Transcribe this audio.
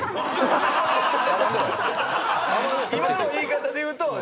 今の言い方でいうと。